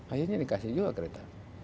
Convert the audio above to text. akhirnya dikasih juga kereta